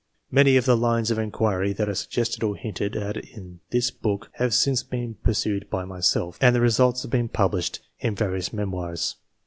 Many of the lines of inquiry that are suggested or hinted at in this book have since been pursued by myself, and the results have been published in various memoirs.